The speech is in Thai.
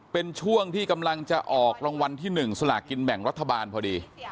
เป็นช่วงที่กำลังจะออกรางวัลที่๑สลากินแบ่งรัฐบาลพอดี